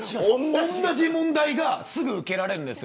同じ問題がすぐ受けられるんです。